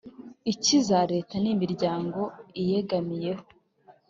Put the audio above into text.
icy’izaleta n’imiryango iyegamiyeho